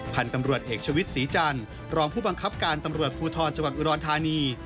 พันธุ์ตำรวจเอกชวิตศรีจันทร์รองผู้บังคับการตำรวจภูทรจังหวัดอุดรธานี